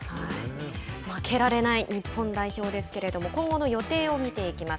負けられない日本代表ですけれども今後の予定を見ていきます。